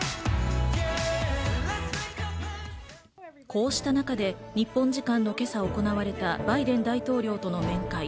こうした中で日本時間の今朝行われたバイデン大統領との面会。